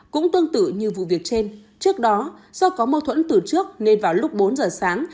cũng tương tự như vụ việc trên trước đó do có mâu thuẫn từ trước nên vào lúc bốn giờ sáng